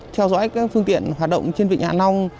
theo dõi các phương tiện hoạt động trên vịnh hạ long